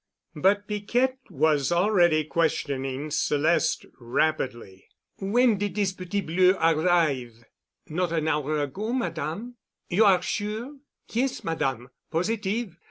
But Piquette was already questioning Celeste rapidly. "When did this Petit Bleu arrive?" "Not an hour ago, Madame." "You are sure?" "Yes, Madame, positive.